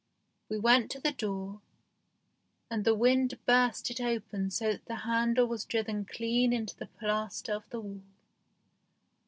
We went to the door, and the wind burst it open so that the handle was driven clean into the plaster of the wall.